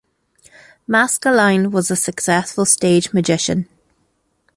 Maskelyne was a successful stage magician.